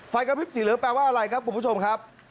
ไฟกระพริบสีเหลืองแปลว่าอะไรครับคุณผู้ชมครับ